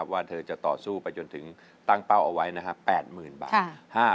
ว่าเธอจะต่อสู้ไปจนถึงตั้งเป้าเอาไว้๘๐๐๐บาท